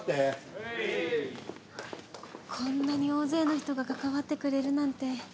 こんなに大勢の人が関わってくれるなんて。